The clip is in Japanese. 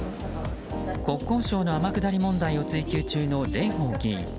国交省の天下り問題を追及中の蓮舫議員。